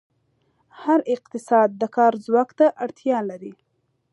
هر اقتصاد د کار ځواک ته اړتیا لري.